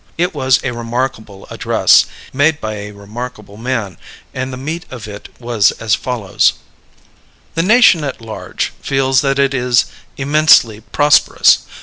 It was a remarkable address, made by a remarkable man, and the meat of it was as follows: The nation at large feels that it is immensely prosperous.